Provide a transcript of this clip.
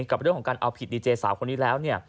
กับเรื่องของการเอาผิดดีเจสาวคนนี้แล้ว